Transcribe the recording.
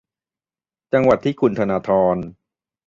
จังหวัดที่คุณธนาธร